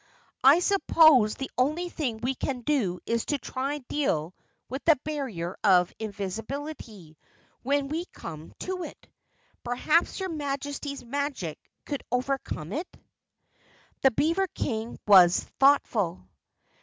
I suppose the only thing we can do is try to deal with the Barrier of Invisibility when we come to it. Perhaps your Majesty's magic could overcome it?" The Beaver King was thoughtful.